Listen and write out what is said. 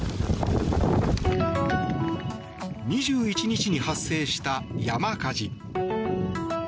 ２１日に発生した山火事。